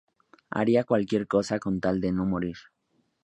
Haría cualquier cosa con tal de no morir.